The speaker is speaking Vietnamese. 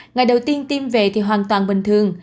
ngày đầu tiên tiêm về thì hoàn toàn bình thường